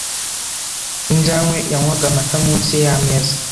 Injangwe yanywaga amata munsi yameza .